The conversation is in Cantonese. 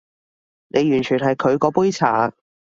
你完全係佢嗰杯茶